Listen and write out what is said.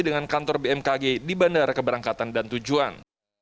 dengan kantor bmkg di bandara keberangkatan dan tujuan